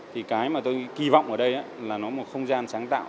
thì cái mà tôi kỳ vọng ở đây là nó một không gian sáng tạo